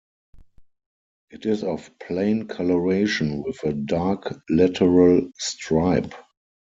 It is of plain coloration with a dark lateral stripe.